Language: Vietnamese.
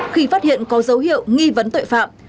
khi phát hiện có dấu hiệu nghi vấn tội phạm